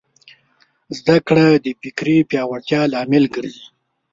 زدهکړه د فکري پیاوړتیا لامل ګرځي.